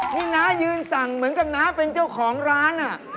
นี่น้ายืนสั่งเหมือนกับน้าเป็นเจ้าของร้าน